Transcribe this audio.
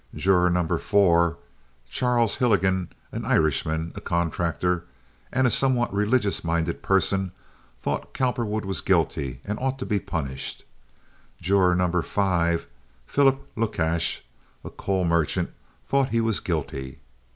Juror No. 4, Charles Hillegan, an Irishman, a contractor, and a somewhat religious minded person, thought Cowperwood was guilty and ought to be punished. Juror No. 5, Philip Lukash, a coal merchant, thought he was guilty.